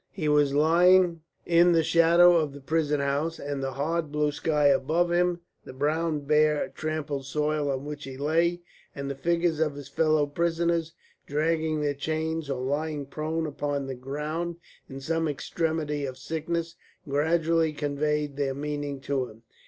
He was lying in the shadow of the prison house, and the hard blue sky above him, the brown bare trampled soil on which he lay, and the figures of his fellow prisoners dragging their chains or lying prone upon the ground in some extremity of sickness gradually conveyed their meaning to him.